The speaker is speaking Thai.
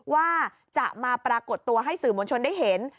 ว่าจะมาปรากฏตัวให้สื่อมวลชนได้เห็น